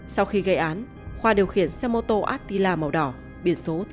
sau khi gây án khoa điều khiển xe mô tô attila màu đỏ biển số tám mươi một t một bảy mươi bảy